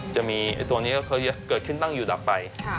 จะมีตัวนี้เกิดขึ้นตั้งอยู่ต่อไป